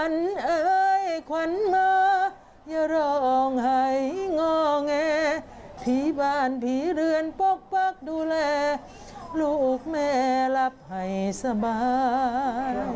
ล้วงหายงอเง่ผีบ้านผีเรือนปกปกดูแลลูกแม่รับให้สบาย